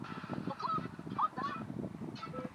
na Waislamu Kumbe katika karne saba za kwanza baada ya Kristo